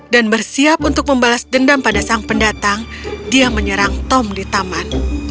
dan bersiap untuk membalas dendam pada sang pendatang dia menyerang tom di taman